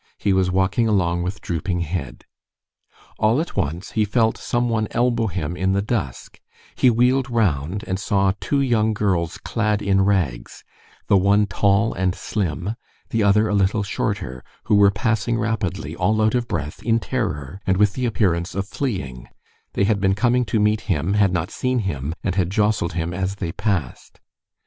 He was walking along with drooping head. All at once, he felt some one elbow him in the dusk; he wheeled round, and saw two young girls clad in rags, the one tall and slim, the other a little shorter, who were passing rapidly, all out of breath, in terror, and with the appearance of fleeing; they had been coming to meet him, had not seen him, and had jostled him as they passed.